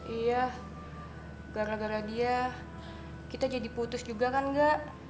iya gara gara dia kita jadi putus juga kan enggak